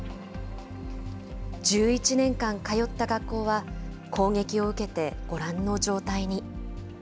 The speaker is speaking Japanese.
１１年間通った学校は、攻撃を受けてご覧の状態に。